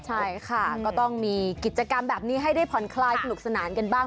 ใช่ค่ะก็ต้องมีกิจกรรมแบบนี้ให้ได้ผ่อนคลายสนุกสนานกันบ้าง